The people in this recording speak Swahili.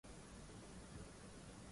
kuacha au bila utegemezi wa kimwili